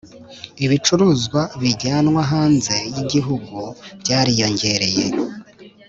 Ibicuruzwa bijyanwa hanze yigihugu byariyongereye